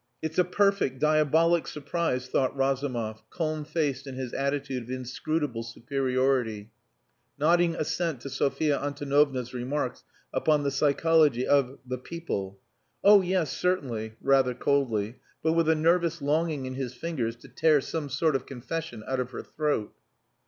"It's a perfect, diabolic surprise," thought Razumov, calm faced in his attitude of inscrutable superiority, nodding assent to Sophia Antonovna's remarks upon the psychology of "the people," "Oh yes certainly," rather coldly, but with a nervous longing in his fingers to tear some sort of confession out of her throat.